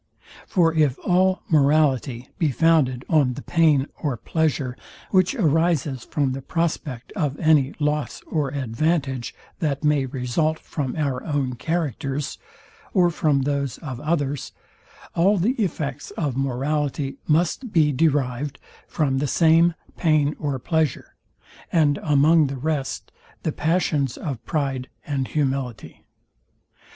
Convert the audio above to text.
For if all morality be founded on the pain or pleasure, which arises from the prospect of any loss or advantage, that may result from our own characters, or from those of others, all the effects of morality must be derived from the same pain or pleasure, and among the rest, the passions of pride and humility.